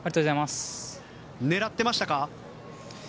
狙ってましたか？